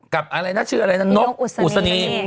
อะไรนะชื่ออะไรนะนกอุศนี